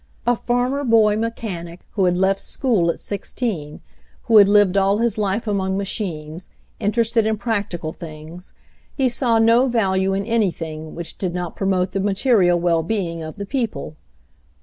A farmer boy mechanic, who had left school at sixteen, who had lived all his life among machines, in terested in practical things, he saw no value in anything which did not promote the material well being of the people.